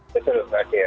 betul pak adia